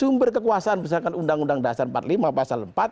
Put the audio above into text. sumber kekuasaan misalkan undang undang dasar empat puluh lima pasal empat